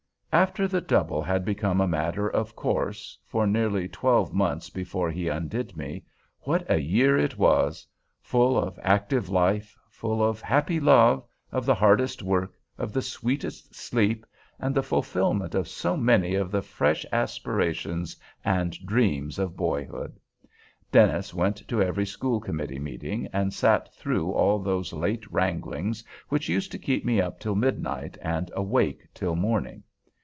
After the double had become a matter of course, for nearly twelve months before he undid me, what a year it was! Full of active life, full of happy love, of the hardest work, of the sweetest sleep, and the fulfilment of so many of the fresh aspirations and dreams of boyhood! Dennis went to every school committee meeting, and sat through all those late wranglings which used to keep me up till midnight and awake till morning.